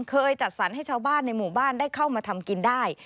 จัดสรรให้ชาวบ้านในหมู่บ้านได้เข้ามาทำกินได้